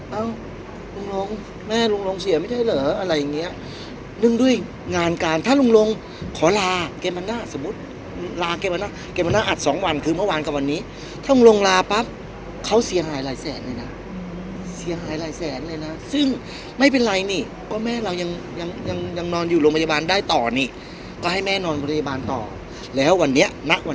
เอ้าลุงลงแม่ลุงลงเสียไม่ได้เหรออะไรอย่างเงี้ยเนื่องด้วยงานการถ้าลุงลงขอลาแกมานั่งสมมุติลาแกมานั่งแกมานั่งอัดสองวันคือเมื่อวานกับวันนี้ถ้าลุงลงลาปั๊บเขาเสียหายหลายแสนเลยนะเสียหายหลายแสนเลยนะซึ่งไม่เป็นไรนี่ก็แม่เรายังยังนอนอยู่โรงพยาบาลได้ต่อนี่ก็ให้แม่นอนโรงพยาบาลต่อแล้ววันนี้ณวัน